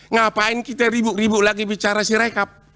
ngapain kita ribu ribu lagi bicara si rekap